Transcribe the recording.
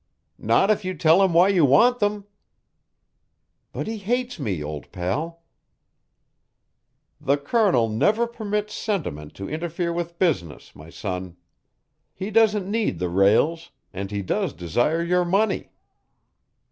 "Not if you tell him why you want them." "But he hates me, old pal." "The Colonel never permits sentiment to interfere with business, my son. He doesn't need the rails, and he does desire your money.